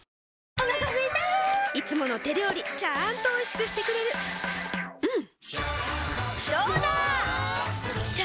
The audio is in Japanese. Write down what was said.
お腹すいたいつもの手料理ちゃんとおいしくしてくれるジューうんどうだわ！